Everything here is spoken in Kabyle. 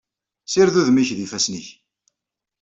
Ssired udem-ik d ifassen-ik.